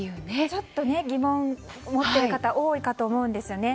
ちょっと疑問を持っている方も多いかと思うんですよね。